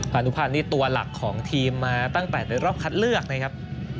อนุพันธ์นี่ตัวหลักของทีมมาตั้งแต่ในรอบคัดเลือกนะครับ